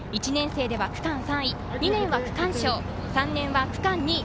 １年生では区間３位、２年は区間賞、３年は区間２位。